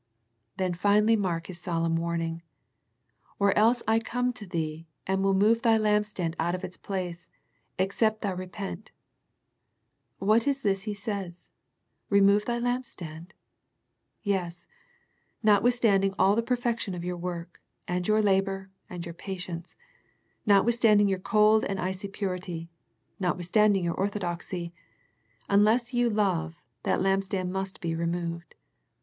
Then finally mark His solemn warning. " Or else I come to thee, and will move thy lampstand out of its place, except thou re pent." What is this He says? Remove thy lampstand? Yes, notwithstanding all the per fection of your work, and your labour, and your patience, notwithstanding your cold and icy purity, notwithstanding your orthodoxy, unless you love, that lampstand must be re moved.